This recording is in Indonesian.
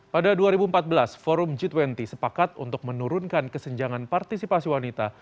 pada dua ribu empat belas forum g dua puluh sepakat untuk menurunkan kesenjangan partisipasi wanita